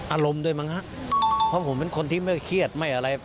อารมณ์ด้วยมั้งฮะเพราะผมเป็นคนที่ไม่เครียดไม่อะไร